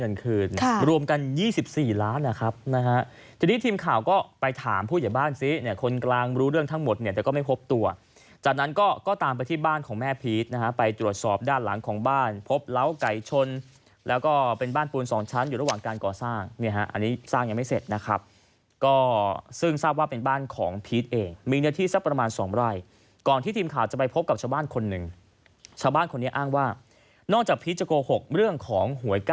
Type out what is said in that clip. เงินคืนรวมกัน๒๔ล้านนะครับนะฮะทีนี้ทีมข่าวก็ไปถามผู้หญิงบ้านซิเนี่ยคนกลางรู้เรื่องทั้งหมดเนี่ยแต่ก็ไม่พบตัวจากนั้นก็ก็ตามไปที่บ้านของแม่พีชนะฮะไปตรวจสอบด้านหลังของบ้านพบเหล้าไก่ชนแล้วก็เป็นบ้านปูนสองชั้นอยู่ระหว่างการก่อสร้างเนี่ยฮะอันนี้สร้างยังไม่เสร็จนะครับก็ซึ่งทราบว่าเป็น